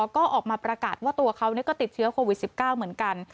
ก็ออกมาประกาศว่าตัวเขาก็ติดเชื้อโควิด๑๙เหมือนกัน